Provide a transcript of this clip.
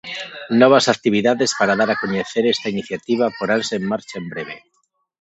Novas actividades para dar a coñecer esta iniciativa poranse en marcha en breve.